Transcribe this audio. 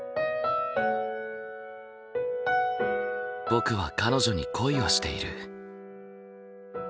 僕は彼女に恋をしている。